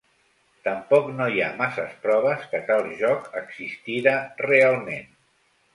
Tampoc no hi ha massa proves que tal joc existira realment.